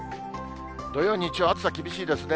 土曜、日曜暑さ厳しいですね。